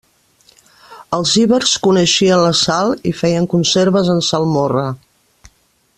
Els ibers coneixien la sal i feien conserves en salmorra.